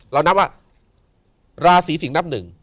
เรานับว่าราศรีสิงศ์นับ๑